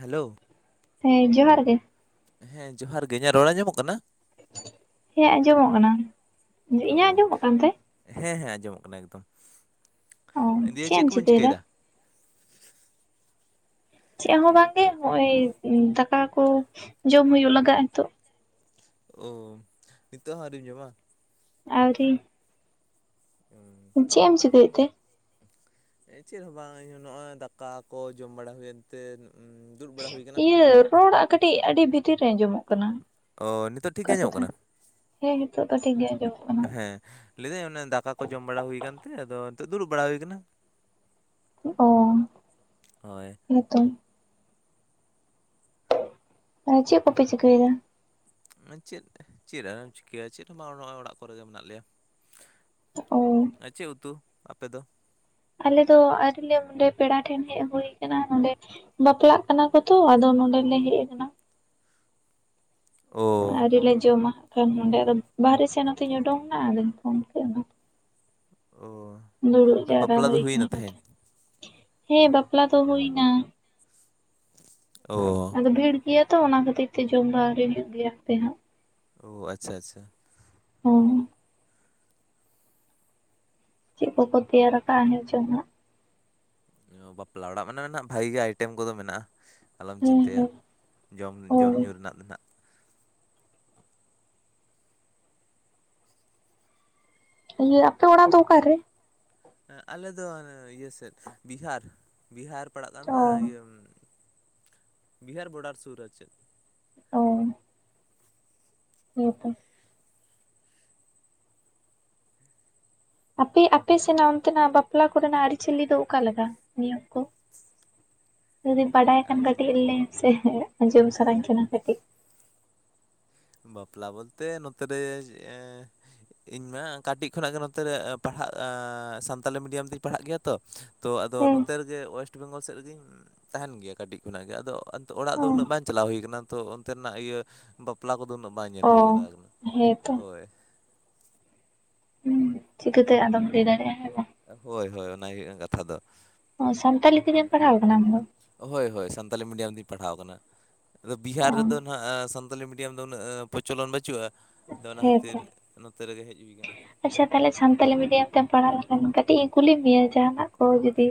Hello ᱦᱮᱸ ᱡᱚᱦᱟᱨ ᱜᱮ ᱦᱮᱸ ᱡᱚᱦᱟᱨ ᱜᱮ ᱤᱧᱟᱹᱜ ᱨᱚᱲ ᱟᱸᱡᱚᱢ-ᱚᱜ ᱠᱟᱱᱟ? ᱦᱮᱸ ᱟᱸᱡᱚᱢ-ᱚᱜ ᱠᱟᱱᱟ᱾ ᱤᱧᱟᱹᱜ ᱳ ᱟᱸᱡᱚᱢ-ᱚᱜ ᱠᱟᱱᱛᱮ? ᱦᱮᱸ ᱦᱮᱸ ᱟᱸᱡᱚᱢ-ᱚᱜ ᱠᱟᱱᱟ ᱮᱠᱫᱚᱢ ᱚ ᱫᱤᱭᱮ ᱪᱮᱫ ᱮᱢ ᱠᱚᱵᱤᱱ ᱪᱤᱠᱟᱹᱭ ᱪᱤᱠᱟᱹᱭᱮᱫᱟ ᱮᱫᱟ? ᱪᱮᱫ ᱦᱚᱸ ᱵᱟᱝᱜᱮ ᱱᱚᱜ-ᱚᱭ ᱫᱟᱠᱟ ᱠᱚ ᱡᱚᱢ ᱦᱩᱭᱩᱜ ᱞᱟᱜᱟ-ᱟᱜ ᱱᱤᱛᱚᱜ᱾ ᱳ ᱱᱤᱛᱚᱜ ᱦᱚᱸ ᱟᱹᱣᱨᱤᱢ ᱡᱚᱢᱟ? ᱟᱹᱶᱨᱤ ᱦᱩᱸ ᱪᱮᱫ ᱮᱢ ᱪᱮᱫᱟᱹᱭ ᱮᱫ ᱛᱮ? ᱪᱮᱫ ᱦᱚᱸ ᱵᱟᱝ ᱤᱧ ᱱᱚᱜᱼᱚᱭ ᱫᱟᱠᱟ ᱠᱚ ᱡᱚᱢ ᱵᱟᱲᱟ ᱦᱩᱭᱮᱱᱛᱮ ᱩ ᱤᱭᱟᱹ ᱨᱚᱲᱟᱜ ᱠᱟᱹᱴᱤᱡ ᱟᱹᱰᱤ ᱵᱷᱤᱛᱤᱨ ᱨᱮ ᱟᱸᱡᱚᱢᱚᱜᱼᱟ? ᱠᱟᱱᱟ ᱚ ᱱᱤᱛᱚᱜ ᱴᱷᱤᱠ ᱚᱱᱠᱟ ᱜᱮ ᱟᱸᱡᱚᱢᱚᱜ ᱠᱟᱛᱷᱟ ᱠᱟᱱᱟ? ᱦᱮᱸ ᱱᱤᱛᱳ ᱫᱚ ᱴᱷᱤᱠ ᱜᱮ ᱟᱡᱚᱢᱚᱜ ᱠᱟᱱᱟ᱾ ᱦᱮᱸ ᱞᱟᱹᱭᱮᱫᱟᱹᱧ ᱚᱱᱮ ᱫᱟᱠᱟ ᱠᱚ ᱡᱚᱢ ᱵᱟᱲᱟ ᱦᱩᱭᱠᱟᱱᱛᱮ ᱟᱫᱚ ᱱᱤᱛᱚᱜ ᱫᱩᱲᱩᱵ ᱵᱟᱲᱟ ᱦᱩᱭᱠᱟᱱᱟ᱾ ᱚ ᱦᱳᱭ᱾ ᱦᱮᱸ ᱛᱚ ᱦᱮᱸᱪᱮᱫ ᱠᱚᱯᱮ ᱪᱤᱠᱟᱹᱭᱫᱟ? ᱪᱮᱫ ᱪᱮᱫ ᱟᱫᱚᱢ ᱪᱤᱠᱟᱹᱭᱟ ᱪᱮᱫ ᱦᱚᱸ ᱵᱟᱝ ᱱᱚᱜᱼᱚᱭ ᱚᱲᱟᱜ ᱠᱚᱨᱮ ᱜᱮ ᱢᱮᱱᱟᱜ ᱞᱮᱭᱟ᱾ ᱚ ᱟ ᱪᱮᱫ ᱩᱛᱩ ᱟᱯᱮ ᱫᱚ? ᱟᱞᱮᱫᱚ ᱟᱶᱨᱤ ᱞᱮ ᱱᱚᱰᱮ ᱯᱮᱲᱟ ᱴᱷᱮᱱ ᱦᱮᱡ ᱦᱩᱭ ᱟᱠᱟᱱᱟ ᱱᱚᱰᱮ᱾ ᱵᱟᱯᱞᱟᱜ ᱠᱟᱱᱟ ᱠᱚᱛᱚ ᱟᱫᱚ ᱱᱚᱰᱮᱞᱮ ᱦᱮᱡ ᱟᱠᱟᱱᱟ᱾ ᱳ ᱟᱣᱨᱤᱞᱮ ᱡᱚᱢᱟ ᱱᱟᱜᱠᱷᱟᱱ ᱚᱸᱰᱮ ᱟᱫᱚ ᱵᱟᱦᱟᱨᱮ ᱥᱮ ᱱᱚᱛᱮᱧ ᱳᱰᱳᱝᱱᱟ ᱟᱫᱚᱧ ᱯᱷᱳᱱ ᱠᱮᱫ ᱚᱱᱟ ᱚ ᱫᱩᱲᱩᱵ ᱡᱟᱣᱨᱟ ᱦᱩᱭ ᱟᱠᱟᱱᱟ ᱱᱚᱛᱮ ᱦᱮᱸ ᱵᱟᱯᱞᱟ ᱫᱚ ᱦᱩᱭ ᱱᱟ᱾ ᱚ ᱟᱫᱚ ᱵᱷᱤᱲ ᱜᱮᱭᱟ ᱛᱚ ᱚᱱᱟ ᱠᱷᱟᱹᱛᱤᱨ ᱛᱮ ᱡᱚᱢ ᱫᱚ ᱟᱹᱣᱨᱤ ᱦᱩᱭᱩᱜ ᱜᱮᱭᱟ ᱦᱟᱸᱯᱮ ᱦᱟᱸᱜ᱾ ᱚ ᱟᱪᱪᱷᱟ ᱟᱪᱪᱷᱟ᱾ ᱦᱚᱸ ᱪᱮᱫ ᱠᱚ ᱠᱚ ᱛᱮᱭᱟᱨ ᱟᱠᱟᱜ ᱦᱮᱸ ᱪᱚᱝ ᱦᱟᱸᱜ ᱚ ᱵᱟᱯᱞᱟ ᱚᱲᱟᱜ ᱢᱟᱱᱮ ᱱᱟᱸᱜ ᱵᱷᱟᱜᱮ ᱜᱮ ᱟᱭᱴᱮᱢ ᱠᱚᱫᱚ ᱢᱮᱱᱟᱜᱼᱟ ᱟᱞᱚᱢ ᱦᱮᱸ ᱪᱤᱱᱛᱟᱹᱭᱟ᱾ ᱦᱮᱸ ᱡᱚᱢ ᱦᱳᱭ ᱡᱚᱢᱼᱧᱩ ᱨᱮᱱᱟᱜ ᱫᱚ ᱱᱟᱸᱜ᱾ ᱤᱭᱟᱹ ᱟᱯᱮ ᱚᱲᱟᱜ ᱫᱚ ᱚᱠᱟᱨᱮ? ᱮᱸ ᱟᱞᱮ ᱫᱚ ᱤᱭᱟᱹ ᱥᱮᱫ, ᱵᱤᱦᱟᱨ ᱵᱤᱦᱟᱨ ᱯᱟᱲᱟᱜ ᱠᱟᱱ ᱚ ᱫᱚ ᱤᱭᱟᱹ ᱵᱤᱦᱟᱨ ᱵᱚᱰᱟᱨ ᱥᱩᱨ ᱟᱨ ᱪᱮᱫ ᱚ ᱦᱮᱸ ᱛᱚ ᱟᱯᱮ ᱟᱯᱮ ᱥᱮᱱᱟᱜ ᱚᱱᱛᱮᱱᱟᱜ ᱵᱟᱯᱞᱟ ᱠᱚᱨᱮᱱᱟᱜ ᱟᱹᱨᱤᱪᱟᱹᱞᱤ ᱫᱚ ᱚᱠᱟᱞᱮᱠᱟ ᱱᱤᱭᱚᱢ ᱠᱚ? [inaudible] ᱡᱚᱫᱤᱢ ᱵᱟᱰᱟᱭ ᱠᱷᱟᱱ ᱟᱨ ᱪᱤᱞᱤ ᱠᱟᱴᱤᱡ ᱞᱟᱹᱭ ᱢᱮᱥᱮ ᱟᱡᱚᱢ ᱥᱟᱱᱟᱧ ᱠᱟᱱᱟ ᱠᱟᱴᱤᱡ᱾ ᱵᱟᱯᱞᱟ ᱵᱚᱞᱛᱮ ᱱᱚᱛᱮᱨᱮ [unintelligible] ᱤᱧ ᱢᱟ ᱠᱟᱴᱤᱡ ᱠᱷᱚᱱᱟᱜ ᱜᱮ ᱱᱚᱛᱮ ᱨᱮ ᱯᱟᱲᱦᱟᱜ ᱥᱟᱱᱛᱟᱞᱤ ᱢᱤᱰᱤᱭᱟᱢ ᱛᱤᱧ ᱯᱟᱲᱦᱟᱜ ᱜᱮᱭᱟ ᱛᱚ ᱛᱚ ᱟᱫᱚ ᱦᱮᱸ ᱱᱚᱛᱮ ᱨᱮᱜᱮ ᱳᱭᱮᱥᱴ ᱵᱮᱝᱜᱚᱞ ᱥᱮᱫ ᱨᱮᱜᱤᱧ ᱛᱟᱦᱮᱱ ᱜᱮᱭᱟ ᱠᱟᱹᱴᱤᱡ ᱠᱷᱚᱱᱟᱜ ᱜᱮ ᱟᱫᱚ ᱚᱲᱟᱜ ᱚ ᱫᱚ ᱩᱱᱟᱹᱜ ᱵᱟᱝ ᱪᱟᱞᱟᱣ ᱦᱩᱭ ᱠᱟᱱᱟ ᱛᱚ ᱚᱱᱛᱮᱱᱟᱜ ᱤᱭᱟᱹ ᱵᱟᱯᱞᱟ ᱠᱚᱫᱚ ᱩᱱᱟᱹᱜ ᱵᱟᱝ ᱧᱮᱞ ᱚ ᱦᱩᱭ ᱵᱟᱲᱟ ᱟᱠᱟᱱᱟ ᱦᱮᱸᱛᱚ ᱦᱳᱭ ᱦᱩᱸ ᱪᱤᱠᱟᱹᱛᱮ ᱟᱫᱚᱢ ᱞᱟᱹᱭ ᱫᱟᱲᱮᱭᱟᱜᱼᱟ, ᱦᱮᱸ ᱵᱟᱝ? ᱦᱳᱭ ᱦᱳᱭ ᱚᱱᱟᱜᱮ ᱦᱩᱭᱩᱜ ᱠᱟᱱᱟ ᱠᱟᱛᱷᱟ ᱫᱚ ᱚ ᱥᱟᱱᱛᱟᱞᱤ ᱛᱮᱜᱮᱢ ᱯᱟᱲᱦᱟᱣ ᱟᱠᱟᱱᱟ ᱟᱢ ᱫᱚ? ᱦᱳᱭ ᱦᱳᱭ ᱥᱟᱱᱛᱟᱞᱤ ᱢᱤᱰᱤᱭᱟᱢ ᱛᱤᱧ ᱯᱟᱲᱦᱟᱣ ᱠᱟᱱᱟ, ᱟᱫᱚ ᱚ ᱵᱤᱦᱟᱨ ᱨᱮᱫᱚ ᱱᱷᱟᱜ ᱥᱟᱱᱛᱟᱞᱤ ᱢᱤᱰᱤᱭᱟᱢ ᱫᱚ ᱩᱱᱟᱹᱜ ᱯᱚᱪᱚᱞᱚᱱ ᱵᱟᱹᱪᱩᱜᱼᱟ, ᱟᱫᱚ ᱚᱱᱟ ᱠᱷᱟᱹᱛᱤᱨ ᱦᱮᱸᱛᱚ ᱱᱚᱛᱮ ᱨᱮᱜᱮ ᱦᱮᱡ ᱦᱩᱭ ᱟᱠᱟᱱᱟ ᱟᱪᱪᱷᱟ, ᱛᱟᱦᱞᱮ ᱥᱟᱱᱛᱟᱞᱤ ᱢᱤᱰᱤᱭᱟᱢ ᱛᱮᱢ ᱯᱟᱲᱦᱟᱣ ᱞᱮᱠᱷᱟᱱ ᱠᱟᱹᱴᱤᱡ ᱤᱧ ᱠᱩᱞᱤ ᱢᱮᱭᱟ ᱡᱟᱦᱟᱱᱟᱜ ᱠᱚ ᱡᱩᱫᱤ?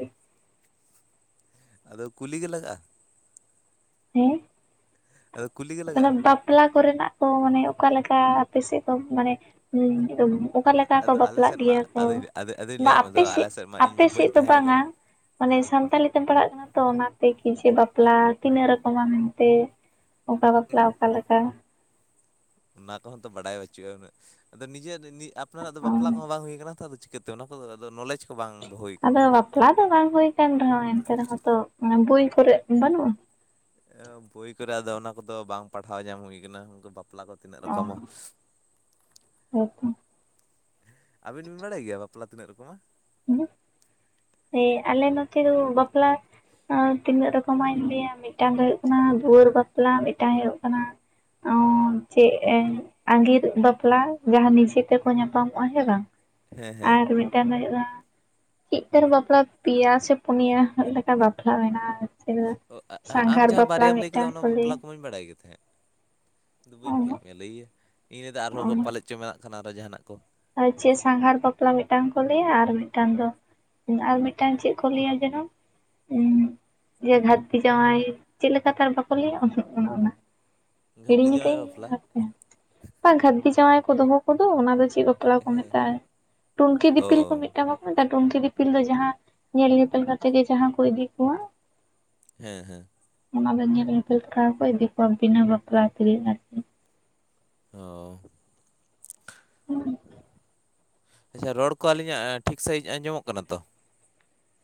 ᱟᱫᱚ ᱠᱩᱞᱤ ᱜᱮ ᱞᱟᱜᱟᱜᱼᱟ? ᱦᱮᱸ? ᱟᱫᱚ ᱠᱩᱞᱤ? ᱜᱮ ᱞᱟᱜᱟᱜᱼᱟ ᱛᱟᱦᱞᱮ ᱵᱟᱯᱞᱟ ᱠᱚᱨᱮᱱᱟᱜ ᱫᱚ ᱢᱟᱱᱮ ᱚᱠᱟᱞᱮᱠᱟ ᱟᱯᱮ ᱥᱮᱫ ᱫᱚ ᱢᱟᱱᱮ [unintelligible] ᱚᱠᱟ ᱞᱮᱠᱟ ᱠᱚ ᱟᱫᱚ ᱟᱞᱮ ᱵᱟᱯᱞᱟᱜ ᱥᱮᱫ ᱢᱟ ᱜᱮᱭᱟ ᱠᱚ ᱟᱫᱚᱧ ᱟᱫᱚ ᱟᱫᱚᱧ ᱵᱟ ᱞᱟᱹᱭᱟᱫ ᱟᱯᱮ ᱢᱮᱫᱚ ᱥᱮᱫ ᱟᱞᱮ ᱢᱟ ᱤᱧ ᱟᱯᱮ ᱢᱟ ᱥᱮᱫ ᱵᱟᱹᱧ ᱫᱚ ᱛᱟᱦᱮᱸ ᱠᱟᱱ ᱵᱟᱝᱟ ᱢᱟᱱᱮ ᱦᱮᱸ ᱥᱟᱱᱛᱟᱞᱤ ᱛᱮᱢ ᱯᱟᱲᱦᱟᱜ ᱠᱟᱱᱟ ᱛᱚ ᱚᱱᱟᱛᱮ ᱠᱤ ᱡᱮ ᱵᱟᱯᱞᱟ ᱛᱤᱱᱟᱹᱜ ᱨᱚᱠᱚᱢᱟ ᱢᱮᱱᱛᱮ ᱚᱠᱟ ᱵᱟᱯᱞᱟ ᱚᱠᱟᱞᱮᱠᱟ ᱚᱱᱟ ᱠᱚᱦᱚᱸ ᱛᱚ ᱵᱟᱲᱟᱭ ᱵᱟᱹᱪᱩᱜᱼᱟ ᱩᱱᱟᱹᱜ ᱟᱫᱚ ᱱᱤᱡᱮᱨ ᱟᱯᱱᱟᱨᱟᱜ ᱫᱚ ᱚ ᱵᱟᱯᱞᱟ ᱠᱚᱦᱚᱸ ᱵᱟᱝ ᱦᱩᱭ ᱠᱟᱱᱟ ᱛᱚ ᱪᱤᱠᱟᱹᱛᱮ ᱚᱱᱟ ᱠᱚᱫᱚ ᱟᱫᱚ ᱱᱚᱞᱮᱡᱽ ᱠᱚ ᱵᱟᱝ ᱫᱚ ᱦᱩᱭ ᱠᱟᱱᱟ ᱟᱫᱚ ᱵᱟᱯᱞᱟ ᱫᱚ ᱵᱟᱝ ᱦᱩᱭ ᱠᱟᱱ ᱨᱮᱦᱚᱸ ᱮᱱᱛᱮ ᱨᱮᱦᱚᱸ ᱛᱚ ᱵᱳᱭ ᱠᱚᱨᱮ ᱵᱟᱹᱱᱩᱜᱼᱟ? ᱵᱳᱭ ᱠᱚᱨᱮ ᱟᱫᱚ ᱚᱱᱟ ᱠᱚᱫᱚ ᱵᱟᱝ ᱯᱟᱲᱦᱟᱣ ᱧᱟᱢ ᱦᱩᱭ ᱟᱠᱟᱱᱟ ᱩᱱᱠᱩ ᱵᱟᱯᱞᱟ ᱠᱚᱫᱚ ᱛᱤᱱᱟᱹᱜ ᱚ ᱨᱚᱠᱚᱢᱟ ᱦᱳᱭᱛᱚ ᱟᱹᱵᱤᱱ ᱵᱤᱱ ᱵᱟᱲᱟᱭ ᱜᱮᱭᱟ ᱵᱟᱯᱞᱟ ᱛᱤᱱᱟᱹᱜ ᱨᱚᱠᱚᱢᱟ? [unintelligible] ᱦᱮᱸ ᱟᱞᱮ ᱱᱚᱛᱮ ᱫᱚ ᱵᱟᱯᱞᱟ ᱟᱨ ᱛᱤᱱᱟᱹᱜ ᱨᱚᱠᱚᱢᱟᱜ ᱤᱧ ᱞᱟᱹᱭᱟ ᱢᱤᱫᱴᱟᱝ ᱫᱚ ᱦᱳᱭᱳᱜ ᱠᱟᱱᱟ ᱫᱩᱣᱟᱹᱨ ᱵᱟᱯᱞᱟ ᱢᱤᱫᱴᱟᱝ ᱦᱩᱭᱩᱜ ᱠᱟᱱᱟ ᱚᱸ ᱪᱮᱫ ᱮᱢ ᱟᱸᱜᱤᱨ ᱵᱟᱯᱞᱟ ᱡᱟᱦᱟᱸ ᱱᱤᱡᱮ ᱛᱮᱠᱚ ᱧᱟᱯᱟᱢᱚᱜᱼᱟ ᱦᱮᱸ ᱵᱟᱝ ᱦᱮᱸ ᱦᱮᱸ ᱢᱤᱫᱴᱮᱱ ᱫᱚ ᱦᱩᱭᱩᱜᱼᱟ [unintelligible] ᱵᱟᱯᱞᱟ ᱯᱮᱭᱟ ᱥᱮ ᱯᱩᱱᱭᱟ ᱞᱮᱠᱟ ᱵᱟᱯᱞᱟ ᱢᱮᱱᱟᱜᱼᱟ [unintelligible] ᱥᱟᱸᱜᱷᱟᱨ ᱵᱟᱯᱞᱟ ᱢᱤᱫᱴᱟᱝ ᱠᱚ ᱞᱟᱹᱭᱟ ᱵᱟ. ᱧ ᱵᱟᱲᱟᱭ ᱜᱮ ᱛᱟᱦᱮᱸᱫ [unintelligible] ᱢᱮᱭᱟ ᱞᱟᱹᱭᱟ ᱤᱧ [unintelligible] ᱟᱨᱦᱚᱸ ᱯᱟᱞᱮᱫ ᱪᱚ ᱢᱮᱱᱟᱜ ᱠᱟᱱᱟ ᱟᱨᱦᱚᱸ ᱡᱟᱦᱟᱱᱟᱜ ᱠᱚ ᱟᱨ ᱪᱮᱫ ᱥᱟᱸᱜᱷᱟᱨ ᱵᱟᱯᱞᱟ ᱢᱤᱫᱴᱟᱝ ᱠᱚ ᱞᱟᱹᱭᱟ ᱟᱨ ᱢᱤᱫᱴᱟᱝ ᱫᱚ ᱟᱨ ᱢᱤᱫᱴᱟᱝ ᱪᱮᱫ ᱠᱚ ᱞᱟᱹᱭᱟ ᱡᱮᱱᱚ ᱦᱩᱸ ᱡᱮ ᱜᱷᱟᱹᱨᱫᱤ ᱡᱟᱶᱟᱭ ᱪᱮᱫ ᱞᱮᱠᱟᱛᱮ ᱟᱨ ᱵᱟᱠᱚ ᱞᱟᱹᱭᱟ ᱩᱸᱦᱩᱸᱜ ᱚᱱᱮ ᱚᱱᱟ ᱜᱷᱟᱹᱨᱫᱤ ᱦᱤᱲᱤᱧ ᱠᱟᱜ ᱡᱟᱶᱟᱭ ᱵᱟᱯᱞᱟ ᱤᱧ, [unintelligible] ᱜᱷᱟ‌. ᱨᱫᱤ ᱡᱟᱶᱟᱭ ᱠᱚ ᱫᱚᱦᱚ ᱠᱚᱫᱚ ᱚᱱᱟ ᱫᱚ ᱪᱮᱫ ᱵᱟᱯᱞᱟ ᱠᱚ ᱦᱮᱸ ᱦᱮᱸ ᱢᱮᱛᱟᱜᱼᱟ ᱴᱩᱱᱠᱤ ᱚ ᱫᱤᱯᱤᱞ ᱠᱚ ᱢᱤᱫᱴᱟᱝ ᱵᱟᱠᱳ [unintelligible] ᱴᱩᱝᱠᱤ ᱫᱤᱯᱤᱞ ᱫᱚ ᱡᱟᱦᱟᱸ ᱧᱮᱞ ᱧᱮᱯᱮᱞ ᱠᱟᱛᱮ ᱜᱮ ᱡᱟᱦᱟᱸ ᱠᱚ ᱤᱫᱤ ᱠᱚᱣᱟ ᱦᱮᱸ ᱦᱮᱸ ᱚᱱᱟ ᱫᱚ ᱧᱮᱞ ᱯᱮᱞ ᱛᱟᱨᱟ ᱠᱚ ᱤᱫᱤ ᱠᱚᱣᱟ ᱵᱤᱱᱟᱹ ᱵᱟᱯᱞᱟ ᱛᱮᱜᱮ ᱟᱨᱠᱤ ᱚᱻ [unintelligible] ᱟᱪᱷᱟ ᱨᱚᱲ ᱠᱚ ᱟᱹᱞᱤᱧᱟᱜ ᱴᱷᱤᱠ ᱥᱟᱺᱦᱤᱡ ᱟᱸᱡᱚᱢᱚᱜ ᱠᱟᱱᱟ ᱛᱚ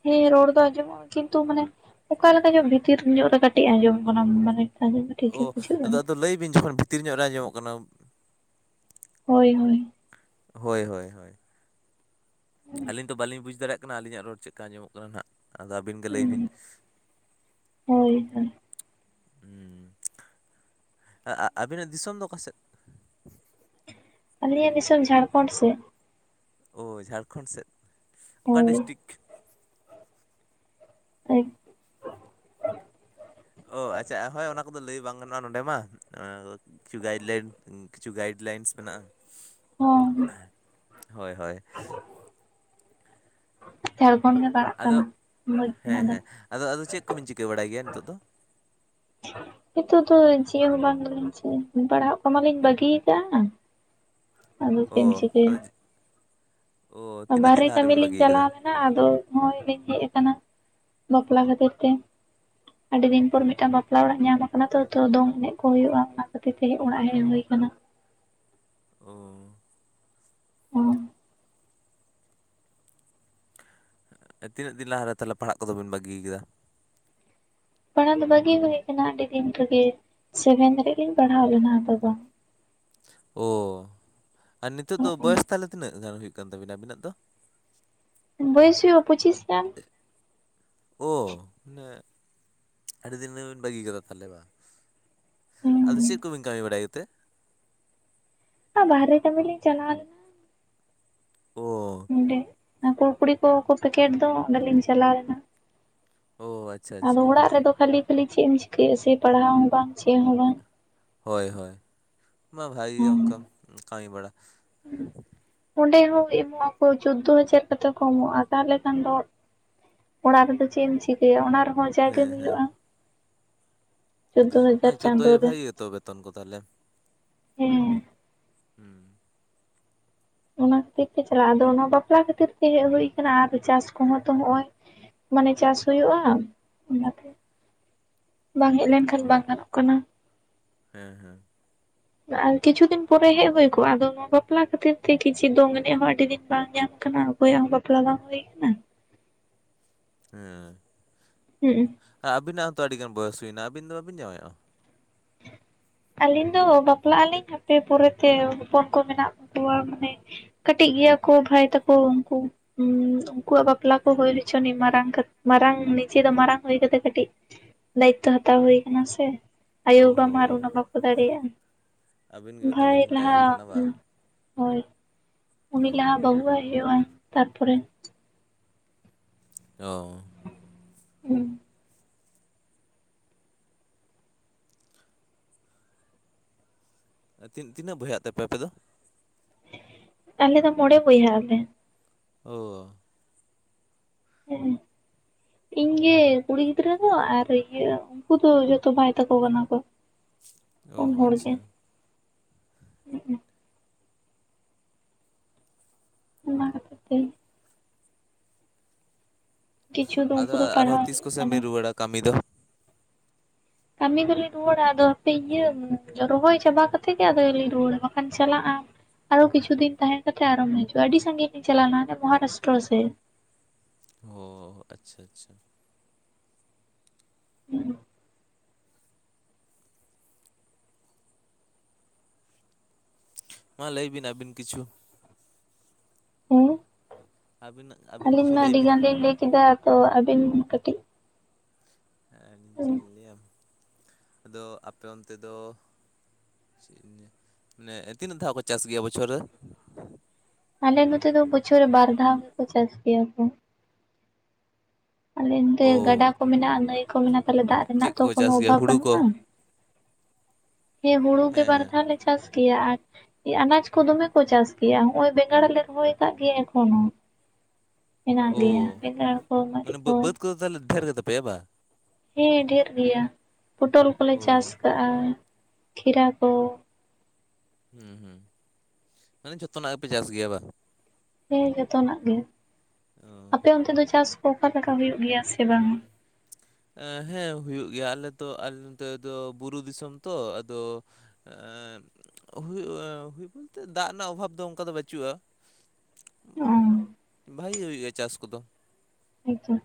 ᱦᱮᱸ ᱨᱚᱲ ᱫᱚ ᱟᱸᱡᱚᱢᱚᱜᱼᱟ ᱠᱤᱱᱛᱩ ᱢᱟᱱᱮ ᱚᱠᱟᱮ ᱞᱮᱠᱟ ᱧᱚᱜ ᱵᱷᱤᱛᱤᱨ ᱧᱚᱜ ᱨᱮ ᱠᱟᱹᱴᱤᱡ ᱟᱸᱡᱚᱢᱚᱜ ᱠᱟᱱᱟ ᱢᱟᱱᱮ ᱟᱸᱡᱚᱢ ᱫᱚ ᱴᱷᱤᱠ ᱜᱮ ᱚᱦ ᱵᱩᱡᱷᱟᱹᱜ ᱟᱫᱚ ᱠᱟᱱᱟ ᱟᱫᱚ ᱞᱟᱹᱭ ᱵᱤᱱ ᱡᱚᱠᱷᱚᱱ ᱵᱷᱤᱛᱤᱨ ᱧᱚᱜ ᱨᱮ ᱟᱸᱡᱚᱢᱚᱜ ᱠᱟᱱᱟ ᱦᱳᱭ ᱦᱳᱭ ᱦᱳᱭ ᱦᱳᱭ ᱦᱳᱭ ᱟᱹᱞᱤᱧ ᱫᱚ ᱵᱟᱹᱞᱤᱧ ᱵᱩᱡᱽ ᱫᱟᱲᱮᱭᱟᱜ ᱠᱟᱱᱟ ᱟᱹᱞᱤᱧᱟᱜ ᱨᱚᱲ ᱪᱮᱫᱠᱟ ᱟ. ᱧᱢᱚᱜ ᱠᱟᱱᱟ ᱦᱟᱸᱜ ᱟᱫᱚ ᱟᱹᱵᱤᱱ ᱜᱮ ᱞᱟᱹᱭᱵᱤᱱ ᱦᱳᱭ ᱦᱳᱭ ᱦᱩᱸ ᱟ ᱟ ᱟᱵᱤᱱᱟᱜ ᱫᱤᱥᱚᱢ ᱫᱚ ᱚᱠᱟᱥᱮᱫ? ᱟᱞᱤᱧᱟᱜ ᱫᱤᱥᱚᱢ ᱡᱷᱟᱲᱠᱷᱚᱸᱰ ᱥᱮᱫ᱾ ᱳ ᱡᱷᱟᱲᱠᱷᱚᱸᱰ ᱥᱮᱫ ᱚᱠᱟ ᱦᱳᱭ ᱰᱤᱥᱴᱤᱠ? ᱟᱡ [unintelligible] ᱚ ᱟᱪᱷᱟ ᱦᱳᱭ ᱚᱱᱟ ᱠᱚᱫᱚ ᱞᱟᱹᱭ ᱵᱟᱝ ᱜᱟᱱᱚᱜᱼᱟ ᱱᱚᱸᱰᱮ ᱢᱟ [unintelligible] ᱠᱤᱪᱷᱩ ᱜᱟᱭᱤᱰ ᱞᱟᱭᱤᱱ ᱠᱤᱪᱷᱩ ᱜᱟᱭᱤᱰ ᱞᱟᱭᱤᱱᱥ ᱢᱮᱱᱟᱜᱼᱟ ᱦᱚᱸ ᱦᱳᱭ ᱦᱳᱭ ᱡᱷᱟᱲᱠᱷᱚᱸᱰ ᱜᱮ ᱯᱟᱲᱟᱜ ᱟᱫᱚ ᱠᱟᱱᱟ ᱵᱩᱡᱷᱵᱮᱱ ᱦᱮᱸ ᱟᱫᱚ ᱦᱮᱸ ᱟᱫᱚ ᱟᱫᱚ ᱪᱮᱫ ᱠᱚᱵᱤᱱ ᱪᱤᱠᱟᱹ ᱵᱟᱲᱟᱭ ᱜᱮᱭᱟ ᱱᱤᱛᱚᱜ ᱫᱚ? ᱱᱤᱛᱚᱜ ᱫᱚ ᱪᱮᱫ ᱦᱚᱸ ᱵᱟᱝ ᱜᱮᱞᱤᱧ ᱪᱤᱠᱟ. ᱯᱟᱲᱦᱟᱜ ᱠᱚ ᱢᱟᱞᱤᱧ ᱵᱟᱹᱜᱤᱭᱟᱠᱟᱫᱼᱟ ᱟᱫᱚ ᱪᱮᱢ ᱚ ᱪᱤᱠᱟ. ᱭᱟ ᱟᱫᱚ ᱚ ᱛᱤᱱᱟᱹᱜ ᱫᱤᱱ ᱵᱟᱦᱨᱮ ᱞᱟᱦᱟ ᱠᱟᱹᱢᱤ ᱨᱮᱵᱤᱱ ᱞᱤᱧ ᱵᱟᱹᱜᱤ ᱠᱟᱫᱟ? ᱪᱟᱞᱟᱣ ᱞᱮᱱᱟ ᱟᱫᱚ ᱦᱚᱸᱜᱚᱭ ᱞᱤᱧ ᱦᱮᱡ ᱟᱠᱟᱱᱟ ᱵᱟᱯᱞᱟ ᱠᱷᱟᱹᱛᱤᱨ ᱛᱮ᱾ ᱟᱹᱰᱤ ᱫᱤᱱ ᱯᱚᱨ ᱢᱤᱫᱴᱟᱝ ᱵᱟᱯᱞᱟ ᱚᱲᱟᱜ ᱧᱟᱢ ᱟᱠᱟᱱᱟ ᱛᱚ ᱛᱚ ᱫᱚᱝ ᱮᱱᱮᱡ ᱠᱚ ᱦᱩᱭᱩᱜᱼᱟ ᱚᱱᱟ ᱠᱷᱟᱹᱛᱤᱨ ᱛᱮᱜᱮ ᱚᱲᱟᱜ ᱦᱮᱡ ᱦᱩᱭ ᱟᱠᱟᱱᱟ᱾ ᱚ ᱦᱩᱸ ᱛᱤᱱᱟᱹᱜ ᱫᱤᱱ ᱞᱟᱦᱟᱨᱮ ᱛᱟᱦᱞᱮ ᱯᱟᱲᱦᱟᱜ ᱠᱚᱫᱚ ᱵᱤᱱ ᱵᱟᱹᱜᱤ ᱭᱟᱠᱟᱫᱟ? ᱯᱟᱲᱦᱟᱣ ᱫᱚ ᱵᱟᱹᱜᱤ ᱦᱩᱭ ᱟᱠᱟᱱᱟ ᱟᱹᱰᱤ ᱫᱤᱱ ᱨᱮᱜᱮ ᱥᱮᱵᱷᱮᱱ ᱦᱟᱹᱨᱤᱜ ᱞᱤᱧ ᱯᱟᱲᱦᱟᱣ ᱞᱮᱱᱟ ᱟᱫᱚ ᱵᱟᱝ ᱚ ᱟᱨ ᱱᱤᱛᱳᱜ ᱫᱚ ᱵᱚᱭᱚᱥ ᱛᱟᱦᱞᱮ ᱛᱤᱱᱟᱹᱜ ᱜᱟᱱ ᱦᱩᱭᱩᱜ ᱠᱟᱱ ᱛᱟᱵᱤᱱᱟ ᱟᱵᱤᱱᱟᱜ ᱫᱚ? ᱵᱚᱭᱚᱥ ᱦᱩᱭᱩᱜᱼᱟ ᱯᱚᱪᱤᱥ ᱜᱟᱱ ᱚ ᱢᱟᱱᱮ ᱟᱹᱰᱤ ᱫᱤᱱ ᱨᱮᱵᱤᱱ ᱵᱟᱹᱜᱤ ᱠᱟᱫᱟ ᱛᱟᱦᱞᱮ ᱵᱟ ᱟᱫᱚ ᱪᱮᱫ ᱦᱩᱸ ᱠᱚᱵᱤᱱ ᱠᱟᱹᱢᱤ ᱵᱟᱲᱟᱭᱮᱫ? ᱟ ᱵᱟᱦᱨᱮ ᱠᱟᱹᱢᱤᱞᱤᱧ ᱪᱟᱞᱟᱣ ᱞᱮᱱᱟ᱾ ᱚ ᱚᱸᱰᱮ ᱠᱩᱲ ᱠᱩᱲᱤ ᱠᱚ ᱯᱮᱠᱮᱴ ᱫᱚ ᱚᱸᱰᱮᱞᱤᱧ ᱪᱟᱞᱟᱣ ᱞᱮᱱᱟ᱾ ᱚ ᱟ ᱟᱫᱚ ᱚᱲᱟᱜ ᱨᱮᱫᱚ ᱠᱷᱟᱹᱞᱤ ᱠᱷᱟᱹᱞᱤ ᱪᱮᱫ ᱮᱢ ᱪᱤᱠᱟᱹᱭᱟ ᱥᱮ ᱯᱟᱲᱦᱟᱣ ᱦᱚᱸ ᱵᱟᱝ ᱪᱮᱫ ᱦᱚᱸ ᱵᱟᱝ ᱦᱳᱭ ᱦᱳᱭ ᱢᱟ ᱵᱷᱟᱜᱤ ᱜᱮ ᱚᱱᱠᱟᱢ ᱠᱟᱹᱢᱤ ᱵᱟᱲᱟ ᱚᱸᱰᱮ ᱦᱚᱸ ᱮᱢᱚᱜ ᱟᱠᱚ ᱪᱳᱫᱽᱫᱳ ᱦᱟᱡᱟᱨ ᱠᱟᱛᱮ ᱠᱚ ᱮᱢᱚᱜᱼᱟ ᱛᱟᱦᱞᱮ ᱠᱷᱟᱱ ᱫᱚ ᱚᱲᱟᱜ ᱨᱮᱫᱚ ᱪᱮᱫ ᱮᱢ ᱪᱤᱠᱟᱹᱭᱟ ᱚᱱᱟ ᱨᱮᱦᱚᱸ ᱡᱟᱜᱮ ᱦᱮᱸ ᱦᱮᱸ ᱦᱩᱭᱩᱜᱼᱟ ᱪᱳᱫᱫᱳ ᱦᱟᱡᱟᱨ ᱦᱮᱸ ᱪᱳᱫᱽᱫᱳ ᱪᱟᱸᱫᱚ ᱦᱟᱡᱟᱨ ᱨᱮ ᱵᱷᱟᱜᱮ ᱜᱮᱛᱚ ᱵᱮᱛᱚᱱ ᱠᱚ ᱛᱟᱦᱚᱞᱮ ᱦᱮᱸ ᱦᱩᱸ ᱚᱱᱟ ᱠᱷᱟᱹᱛᱤᱨ ᱛᱮ ᱪᱟᱞᱟᱜᱼᱟ ᱟᱫᱚ ᱚᱱᱟ ᱵᱟᱯᱞᱟ ᱠᱷᱟᱹᱛᱤᱨ ᱛᱮ ᱦᱮᱡ ᱦᱩᱭ ᱠᱟᱱᱟ ᱟᱨ ᱪᱟᱥ ᱠᱚᱦᱚᱸ ᱛᱚ ᱦᱚᱜᱼᱚᱭ ᱢᱟᱱᱮ ᱪᱟᱥ ᱦᱩᱭᱩᱜᱼᱟ ᱚᱱᱟᱛᱮ [inaudible] ᱵᱟᱝ ᱦᱮᱡ ᱞᱮᱱᱠᱷᱟᱱ ᱚ ᱵᱟᱝ ᱜᱟᱱᱚᱜ ᱠᱟᱱᱟ ᱦᱮᱸ ᱦᱮᱸ ᱟᱨ ᱠᱤᱪᱷᱩ ᱫᱤᱱ ᱯᱚᱨᱮ ᱦᱮᱜ ᱦᱩᱭ ᱠᱚᱜᱼᱟ ᱟᱫᱚ ᱱᱚᱶᱟ ᱵᱟᱯᱞᱟ ᱠᱷᱟᱹᱛᱤᱨ ᱛᱮ ᱠᱤᱪᱷᱤ ᱫᱚᱝ ᱮᱱᱮᱡ ᱦᱚᱸ ᱟᱹᱰᱤ ᱫᱤᱱ ᱵᱟᱝ ᱧᱟᱢ ᱟᱠᱟᱱᱟ᱾ ᱚᱠᱚᱭᱟᱜ ᱦᱚᱸ ᱵᱟᱯᱞᱟ ᱵᱟᱝ ᱦᱩᱭ ᱟᱠᱟᱱᱟ᱾ ᱦᱮᱸ ᱦᱩᱸ ᱟᱵᱤᱱᱟᱜ ᱦᱚᱸᱛᱚ ᱟᱹᱰᱤᱜᱟᱱ ᱵᱚᱭᱚᱥ ᱦᱩᱭᱮᱱᱟ ᱟᱹᱵᱤᱱ ᱫᱚ ᱵᱟᱹᱵᱤᱱ ᱡᱟᱶᱟᱭᱚᱜᱼᱟ? ᱟᱹᱞᱤᱧ ᱫᱚ ᱵᱟᱯᱞᱟᱜ ᱟᱹᱞᱤᱧ ᱦᱟᱯᱮ ᱯᱚᱨᱮᱛᱮ ᱦᱚᱯᱚᱱ ᱠᱚ ᱢᱮᱱᱟᱜ ᱠᱚᱣᱟ ᱢᱟᱱᱮ ᱠᱟᱹᱴᱤᱡ ᱜᱮᱭᱟ ᱠᱚ ᱵᱷᱟᱭ ᱛᱟᱠᱚ ᱩᱱᱠᱩ ᱦᱩᱸ ᱩᱱᱠᱩᱣᱟᱜ ᱵᱟᱯᱞᱟ ᱠᱚ ᱦᱩᱭ ᱦᱚᱪᱚ ᱟᱱᱤ ᱢᱟᱨᱟᱝ ᱢᱟᱨᱟᱝ ᱱᱤᱡᱮ ᱫᱚ ᱢᱟᱨᱟᱝ ᱦᱩᱭ ᱠᱟᱛᱮ ᱠᱟᱹᱴᱤᱡ ᱫᱟᱭᱤᱛᱛᱚ ᱦᱟᱛᱟᱣ ᱦᱩᱭ ᱠᱟᱱᱟ ᱥᱮ ᱟᱭᱳ ᱚ ᱵᱟᱵᱟ ᱢᱟ ᱟᱨ ᱦᱚᱸ ᱩᱱᱟ ᱫᱟᱲᱮᱭᱟᱜᱼᱟ, ᱟᱹᱵᱤᱱ ᱜᱮ ᱵᱷᱟᱭ ᱛᱟᱦᱚᱞᱮ ᱵᱤᱱ ᱞᱟᱦᱟ ᱛᱟᱭᱚᱢ ᱟᱠᱟᱱᱟ ᱵᱟᱝ ᱦᱳᱭ ᱩᱱᱤ ᱦᱩᱸ ᱞᱟᱦᱟ ᱵᱟᱹᱦᱩ ᱟᱭ ᱦᱩᱭᱩᱜᱼᱟ ᱛᱟᱨᱯᱚᱨᱮ ᱚ ᱦᱩᱸ ᱛᱤᱱ ᱛᱤᱱᱟᱹᱜ ᱵᱚᱭᱦᱟᱜ ᱛᱮᱯᱮ ᱟᱯᱮ ᱫᱚ ᱟᱞᱮ ᱫᱚ ᱢᱚᱬᱮ ᱵᱚᱭᱦᱟᱜ ᱟᱞᱮ ᱚ ᱦᱮᱸ ᱤᱧ ᱜᱮ ᱠᱩᱲᱤ ᱜᱤᱫᱽᱨᱟᱹ ᱫᱚ ᱟᱨ ᱤᱭᱟᱹ ᱩᱱᱠᱩ ᱫᱚ ᱡᱷᱚᱛᱚ ᱵᱷᱟᱭ ᱛᱟᱠᱚ ᱠᱟᱱᱟ ᱠᱚ ᱚ ᱯᱩᱱ ᱦᱚᱲ ᱜᱮ ᱟᱪᱪᱷᱟ ᱦᱚᱜ ᱚᱸ ᱚᱱᱟ ᱠᱷᱟᱹᱛᱤᱨ ᱛᱮ ᱠᱤᱪᱷᱩ ᱫᱚ ᱟᱫᱚ ᱩᱱᱠᱩ ᱫᱚ ᱯᱟᱲᱦᱟᱣ ᱟᱨᱦᱚᱸ ᱛᱤᱥ ᱦᱩᱭᱩᱜ ᱠᱚᱥᱮᱱ ᱠᱟᱱᱟ᱾ ᱵᱤᱱ ᱨᱩᱣᱟᱹᱲᱟ ᱠᱟᱹᱢᱤ ᱫᱚ ᱠᱟᱹᱢᱤ ᱫᱚᱞᱤᱧ ᱨᱩᱣᱟᱹᱲᱟ ᱟᱫᱚ ᱦᱟᱯᱮ ᱤᱭᱟᱹ ᱨᱚᱦᱚᱭ ᱪᱟᱵᱟ ᱠᱟᱛᱮ ᱜᱮ ᱟᱫᱚ ᱞᱤᱧ ᱨᱩᱣᱟᱹᱲᱟ ᱵᱟᱠᱷᱟᱱ ᱪᱟᱞᱟᱜᱼᱟ ᱟᱨᱦᱚᱸ ᱠᱤᱪᱷᱩ ᱫᱤᱱ ᱛᱟᱦᱮ ᱠᱟᱛᱮ ᱟᱨᱦᱚᱢ ᱦᱤᱡᱩᱜᱼᱟ ᱟᱹᱰᱤ ᱥᱟᱺᱜᱤᱧ ᱞᱤᱧ ᱪᱟᱞᱟᱣ ᱞᱮᱱᱟ ᱦᱟᱱᱮ ᱢᱚᱦᱟᱨᱟᱥᱴᱨᱚ ᱥᱮᱫ ᱚ ᱟᱪᱪᱷᱟ ᱟᱪᱪᱷᱟ ᱦᱩᱸᱜ ᱚ ᱢᱟ ᱞᱟᱹᱭ ᱵᱤᱱ ᱟᱹᱵᱤᱱ ᱠᱤᱪᱷᱩ ᱦᱮᱸ, ᱟᱹᱵᱤᱱ ᱟᱹᱵᱤᱱ ᱟᱹᱞᱤᱧ ᱠᱤᱪᱷᱩ ᱢᱟ ᱞᱟᱹᱭ ᱟᱹᱰᱤ ᱵᱤᱱ ᱜᱟᱱ ᱞᱤᱧ ᱞᱟᱹᱭ ᱠᱮᱫᱟ ᱛᱚ ᱟᱹᱵᱤᱱ ᱠᱟᱹᱴᱤᱡ ᱦᱮᱸ ᱟᱞᱤᱧ ᱪᱮᱫ ᱞᱤᱧ ᱞᱟᱹᱭᱟ, ᱟᱫᱚ ᱟᱯᱮ ᱚᱱᱛᱮ ᱫᱚ ᱪᱮᱫ ᱤᱧ ᱞᱟᱹᱭᱟ, ᱢᱟᱱᱮ ᱛᱤᱱᱟᱹᱜ ᱫᱷᱟᱣ ᱠᱚ ᱪᱟᱥ ᱜᱮᱭᱟ ᱵᱚᱪᱷᱚᱨ ᱨᱮ ᱟᱞᱮ ᱱᱚᱛᱮ ᱫᱚ ᱵᱚᱪᱷᱚᱨ ᱨᱮ ᱵᱟᱨ ᱫᱷᱟᱣ ᱜᱮᱠᱚ ᱪᱟᱥ ᱜᱮᱭᱟ ᱠᱚ ᱟᱞᱮ ᱱᱚᱛᱮ ᱜᱟᱰᱟ ᱚ ᱠᱚ ᱢᱮᱱᱟᱜᱼᱟ ᱱᱟᱹᱭ ᱠᱚ ᱢᱮᱱᱟᱜᱼᱟ ᱛᱟᱦᱚᱞᱮ ᱫᱟᱜ ᱨᱮᱱᱟᱜ ᱪᱮᱫ ᱛᱚ ᱠᱚᱠᱚ ᱠᱳᱱᱳ ᱪᱟᱥ ᱜᱮᱭᱟ ᱚᱵᱷᱟᱵ ᱦᱩᱲᱩ ᱠᱚ ᱵᱟᱹᱱᱩᱜᱼᱟ ᱦᱮᱸ ᱦᱩᱲᱩ ᱜᱮ ᱵᱟᱨ ᱫᱷᱟᱣ ᱞᱮ ᱪᱟᱥ ᱜᱮᱭᱟ ᱟᱨ ᱟᱱᱟᱡ ᱠᱚ ᱫᱚᱢᱮ ᱠᱚ ᱪᱟᱥ ᱜᱮᱭᱟ ᱦᱚᱸᱜ-ᱚᱭ ᱵᱮᱸᱜᱟᱲ ᱞᱮ ᱨᱚᱦᱚᱭ ᱠᱟᱜ ᱜᱮᱭᱟ ᱮᱠᱷᱚᱱᱳ ᱦᱮᱱᱟᱜ ᱚ ᱜᱮᱭᱟ ᱵᱮᱸᱜᱟᱲ ᱠᱚ ᱢᱟᱨᱤᱡ ᱠᱚ ᱛᱟᱦᱞᱮ ᱰᱮᱨ ᱜᱮ ᱛᱟᱯᱮᱭᱟ ᱵᱟ ᱦᱮᱸ ᱰᱷᱮᱨ ᱜᱮᱭᱟ ᱯᱚᱴᱚᱞ ᱠᱚᱞᱮ ᱪᱟᱥ ᱚ ᱠᱟᱜᱼᱟ ᱠᱷᱤᱨᱟ ᱠᱚ ᱦᱩᱸ ᱦᱩᱸ ᱢᱟᱱᱮ ᱡᱷᱚᱛᱚᱱᱟᱜ ᱜᱮᱯᱮ ᱪᱟᱥ ᱜᱮᱭᱟ ᱵᱟ ᱦᱮᱸ ᱡᱚᱛᱚᱱᱟᱜ ᱜᱮ ᱚ ᱟᱯᱮ ᱚᱱᱛᱮ ᱫᱚ ᱪᱟᱥ ᱠᱚ ᱚᱠᱟᱞᱮᱠᱟ ᱦᱩᱭᱩᱜ ᱜᱮᱭᱟ ᱥᱮ ᱵᱟᱝ ᱦᱩᱸ ᱦᱮᱸ ᱦᱩᱭᱩᱜ ᱜᱮᱭᱟ ᱟᱞᱮ ᱛᱚ ᱟᱞᱮ ᱱᱚᱛᱮ ᱫᱚ ᱵᱩᱨᱩ ᱫᱤᱥᱚᱢ ᱛᱚ ᱟᱫᱚ ᱮ ᱦᱩᱭᱩᱜ-ᱟ ᱦᱩᱭ ᱵᱚᱞᱛᱮ ᱫᱟᱜ ᱨᱮᱱᱟᱜ ᱚᱵᱷᱟᱵᱽ ᱫᱚ ᱚᱱᱠᱟ ᱫᱚ ᱵᱟᱹᱪᱩᱜᱼᱟ ᱚ ᱵᱷᱟᱜᱮ ᱜᱮ ᱦᱩᱭᱩᱜ ᱜᱮᱭᱟ ᱪᱟᱥ ᱠᱚᱫᱚ ᱦᱚᱭᱛᱚ,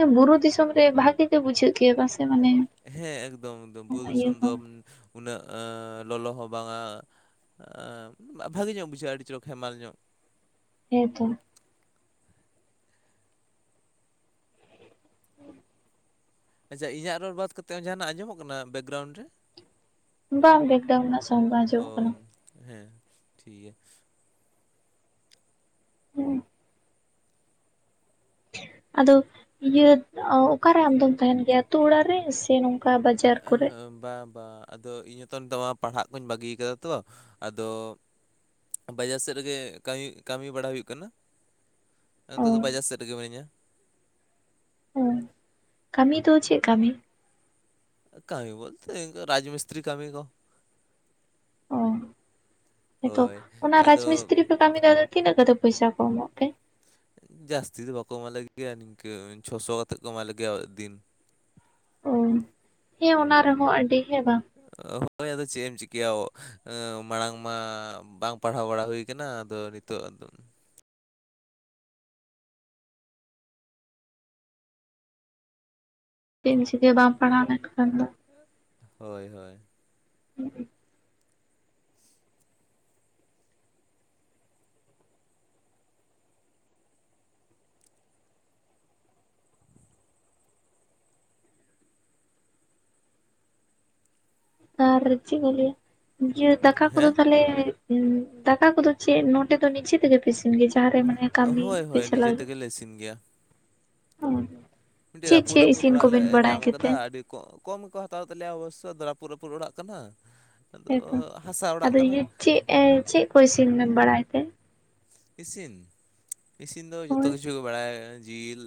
ᱦᱮᱸ ᱵᱩᱨᱩ ᱫᱤᱥᱚᱢ ᱨᱮ ᱵᱷᱟᱜᱤ ᱜᱮ ᱵᱩᱡᱷᱟᱹᱜ ᱜᱮᱭᱟ ᱯᱟᱥᱮ ᱢᱟᱱᱮ ᱦᱮᱸ ᱮᱠᱫᱚᱢ ᱮᱠᱫᱚᱢ ᱵᱩᱨᱩ ᱚᱱᱟ ᱤᱭᱟᱹ ᱫᱤᱥᱚᱢ ᱠᱚ ᱫᱚ ᱩᱱᱟᱹᱜ ᱞᱚᱞᱚ ᱦᱚᱸ ᱵᱟᱝᱟ ᱵᱷᱟᱜᱮ ᱧᱚᱜ ᱵᱩᱡᱷᱟᱹᱜᱼᱟ ᱟᱹᱰᱤ ᱪᱤᱞᱚᱠ ᱦᱮᱢᱟᱞ ᱧᱚᱜ ᱦᱮᱸ ᱛᱳ ᱟᱪᱪᱷᱟ ᱤᱧᱟᱹᱜ ᱨᱚᱲ ᱵᱟᱫ ᱠᱟᱛᱮ ᱦᱚᱸ ᱡᱟᱦᱟᱱᱟᱜ ᱟᱸᱡᱚᱢᱚᱜ ᱠᱟᱱᱟ ᱵᱮᱠᱜᱨᱟᱣᱩᱱᱰ ᱨᱮ ᱵᱟᱝ ᱵᱮᱠᱜᱨᱟᱣᱩᱱᱰ ᱨᱮᱱᱟᱜ ᱥᱚᱭᱩᱱ ᱵᱟᱝ ᱚ ᱟᱡᱚᱢᱚᱜ ᱠᱟᱱᱟ ᱦᱮᱸ ᱴᱷᱤᱠ ᱜᱮᱭᱟ ᱦᱮᱸ ᱟᱫᱚ ᱤᱭᱟᱹ ᱚᱠᱟᱨᱮ ᱟᱢᱫᱚᱢ ᱛᱟᱦᱮᱱ ᱜᱮᱭᱟ ᱟᱛᱳ ᱚᱲᱟᱜ ᱨᱮ ᱥᱮ ᱱᱚᱝᱠᱟ ᱵᱟᱡᱟᱨ ᱮ ᱠᱚᱨᱮ? ᱦᱮᱸ ᱵᱟᱝ ᱵᱟᱝ ᱟᱫᱚ ᱤᱧ ᱦᱚᱸ ᱛᱚ ᱱᱤᱛᱚᱜ ᱯᱟᱲᱦᱟᱜ ᱠᱩᱧ ᱵᱟᱹᱜᱤ ᱠᱟᱫᱟ ᱛᱚ ᱟᱫᱚ ᱵᱟᱡᱟᱨ ᱥᱮᱫ ᱨᱮᱜᱮ ᱠᱟᱹᱢᱤ ᱠᱟᱹᱢᱤ ᱵᱟᱲᱟ ᱦᱩᱭᱩᱜ ᱠᱟᱱᱟ ᱚ ᱱᱤᱛᱚᱜ ᱫᱚ ᱵᱟᱡᱟᱨ ᱥᱮᱫ ᱨᱮ ᱜᱮ ᱢᱤᱱᱟᱹᱧᱟ ᱦᱮᱸ ᱠᱟᱹᱢᱤ ᱫᱚ ᱪᱮᱫ ᱠᱟᱹᱢᱤ ᱠᱟᱹᱢᱤ ᱵᱚᱞᱛᱮ ᱤᱱᱠᱟᱹ ᱨᱟᱡᱽ ᱢᱤᱥᱛᱨᱤ ᱠᱟᱹᱢᱤ ᱠᱚ ᱦᱮᱸ ᱛᱚ ᱦᱳᱭ ᱚᱱᱟ ᱨᱟᱡᱽ ᱟᱫᱚ ᱢᱤᱥᱛᱨᱤ ᱯᱮ ᱠᱟᱹᱢᱤ ᱫᱟ ᱟᱫᱚ ᱛᱤᱱᱟᱹᱜ ᱠᱟᱛᱮ ᱯᱚᱭᱥᱟ ᱠᱚ ᱮᱢᱚᱜ ᱛᱮ ᱡᱟᱹᱥᱛᱤ ᱫᱚ ᱵᱟᱠᱚ ᱮᱢᱟ ᱞᱮ ᱜᱮᱭᱟ ᱱᱤᱝᱠᱟᱹ ᱪᱷᱚᱥᱚ ᱠᱟᱛᱮᱜ ᱠᱚ ᱮᱢᱟ ᱞᱮ ᱜᱮᱭᱟ ᱫᱤᱱ ᱚ ᱦᱮᱸ ᱚᱱᱟ ᱨᱮᱦᱚᱸ ᱟᱹᱰᱤ ᱦᱮᱸ ᱵᱟᱝ ᱚ ᱦᱳᱭ ᱦᱮᱸ ᱟᱫᱚ ᱪᱮᱫ ᱮᱢ ᱪᱤᱠᱟᱹᱭᱟ ᱢᱟᱲᱟᱝ ᱢᱟ ᱵᱟᱝ ᱯᱟᱲᱦᱟᱣ ᱵᱟᱲᱟ ᱦᱩᱭ ᱠᱟᱱᱟ ᱟᱫᱚ ᱱᱤᱛᱚᱜ ᱫᱚ ᱪᱮᱫ ᱮᱢ ᱪᱤᱠᱟᱹᱭᱟ ᱵᱟᱢ ᱯᱟᱲᱦᱟᱣ ᱞᱮᱱᱠᱷᱟᱱ ᱫᱚ ᱦᱳᱭ ᱦᱳᱭ ᱦᱩᱸ-ᱩᱸ [inaudible] ᱟᱨ ᱪᱮᱫ ᱮᱢ ᱞᱟᱹᱭᱟ ᱤᱭᱟᱹ ᱫᱟᱠᱟ ᱠᱚᱫᱚ ᱦᱮᱸ ᱛᱟᱦᱞᱮ ᱫᱟᱠᱟ ᱠᱚᱫᱚ ᱪᱮᱫ ᱱᱚᱴᱰᱮ ᱫᱚ ᱱᱤᱡᱮ ᱛᱮᱜᱮ ᱯᱮ ᱯᱮ ᱤᱥᱤᱱ ᱜᱮᱭᱟ ᱡᱟᱦᱟᱸᱨᱮ ᱢᱟᱱᱮ ᱠᱟᱹᱢᱤ ᱦᱳᱭ ᱯᱮ ᱦᱳᱭ ᱱᱤᱡᱮ ᱪᱟᱞᱟᱣ ᱛᱮᱜᱮᱞᱮ ᱤᱥᱤᱱ ᱜᱮᱭᱟ ᱚᱦᱚ ᱢᱤᱫᱴᱮᱡ ᱨᱟᱹᱯᱩᱫ ᱨᱟᱹᱯᱩᱫ ᱚᱲᱟᱜ ᱞᱮ ᱧᱟᱢ ᱟᱠᱟᱫᱟ ᱟᱹᱰᱤ ᱠᱚᱢ ᱜᱮ ᱠᱚ ᱦᱟᱛᱟᱣ ᱛᱟᱞᱮᱭᱟ ᱚᱵᱚᱥᱥᱳᱭ ᱨᱟᱹᱯᱩᱫᱼ ᱨᱟᱹᱯᱩᱫ ᱚᱲᱟᱜ ᱠᱟᱱᱟ ᱟᱫᱚ ᱦᱟᱥᱟ ᱚᱲᱟᱜ ᱠᱟᱱᱟ ᱮᱭ ᱪᱮᱫ ᱠᱚ ᱤᱥᱤᱮᱢᱮᱢ ᱵᱟᱲᱟᱭ ᱛᱮ ᱤᱥᱤᱱ ᱤᱥᱤᱱ ᱫᱚ ᱡᱚᱛᱚ ᱦᱳᱭ ᱠᱤᱪᱷᱩ ᱜᱮ ᱵᱟᱲᱟᱭᱟ ᱡᱤᱞ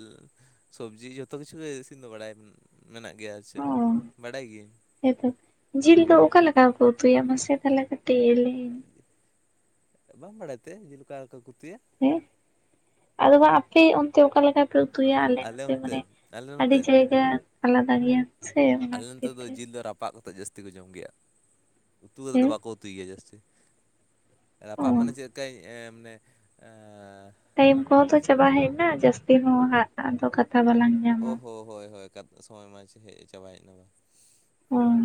ᱥᱚᱵᱡᱤ ᱡᱚᱛᱚ ᱠᱤᱪᱷᱩ ᱜᱮ ᱤᱥᱤᱱ ᱫᱚ ᱵᱟᱲᱟᱭ ᱢᱮᱱᱟᱜ ᱜᱮᱭᱟ ᱟᱨ ᱚ ᱪᱮᱫ ᱵᱟᱰᱟᱭ ᱜᱤᱭᱟᱹᱧ ᱦᱮᱸᱛᱚ ᱡᱤᱞ ᱫᱚ ᱚᱠᱟ ᱞᱮᱠᱟ ᱠᱚ ᱩᱛᱩᱭᱟ ᱢᱟᱥᱮ ᱛᱟᱦᱚᱞᱮ ᱠᱟᱹᱴᱤᱡ ᱞᱟᱹᱭ ᱤᱧ ᱵᱟᱢ ᱵᱟᱲᱟᱭ ᱛᱮ ᱡᱤᱞ ᱚᱠᱟᱞᱮᱠᱟ ᱠᱚ ᱠᱩᱛᱩᱭᱟ ᱦᱮᱸ ᱟᱫᱚ ᱵᱟᱝ ᱟᱯᱮ ᱚᱱᱛᱮ ᱚᱠᱟ ᱞᱮᱠᱟ ᱯᱮ ᱩᱛᱩᱭᱟ ᱟᱞᱮ ᱱᱚᱛᱮ ᱢᱟᱱᱮ ᱚᱱᱛᱮ ᱟᱞᱮ ᱟᱹᱰᱤ ᱱᱚᱛᱮ ᱡᱟᱭᱜᱟ ᱟᱞᱟᱫᱟ ᱜᱮᱭᱟ ᱥᱮ ᱚᱱᱟ ᱟᱞᱮ ᱠᱷᱟᱹᱛᱤᱨ ᱱᱚᱛᱮ ᱫᱚ ᱛᱮ ᱡᱤᱞ ᱫᱚ ᱨᱟᱯᱟᱜ ᱠᱟᱛᱮ ᱡᱟᱹᱥᱛᱤ ᱠᱚ ᱡᱚᱢ ᱜᱮᱭᱟ ᱩᱛᱩ ᱠᱟᱛᱮᱫ ᱫᱚ ᱦᱮᱸ ᱵᱟᱠᱚ ᱩᱛᱩᱭ ᱜᱮᱭᱟ ᱡᱟᱹᱥᱛᱤ ᱚ ᱨᱟᱯᱟᱜ ᱢᱟᱱᱮ ᱪᱮᱫ ᱞᱮᱠᱟᱧ [inaudible] ᱢᱟᱱᱮ ᱮᱸ ᱻ ᱴᱟᱭᱤᱢ ᱠᱚᱦᱚᱸ ᱛᱚ ᱪᱟᱵᱟ ᱦᱮᱡ ᱮᱱᱟ᱾ ᱡᱟᱹᱥᱛᱤ ᱦᱚᱸ ᱦᱟᱜ ᱟᱫᱚ ᱠᱟᱛᱷᱟ ᱵᱟᱞᱟᱝ ᱧᱟᱢ ᱚ ᱦᱚᱸ ᱦᱳᱭ ᱦᱳᱭ ᱠᱟᱛᱷᱟ ᱥᱚᱢᱚᱭ ᱢᱟ ᱦᱮᱡ ᱪᱟᱵᱟᱭᱮᱫ [inaudible] ᱱᱟ ᱵᱟᱝ ᱚᱸ